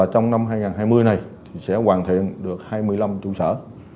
trong năm hai nghìn hai mươi này sẽ hoàn thiện được hai mươi năm trụ sở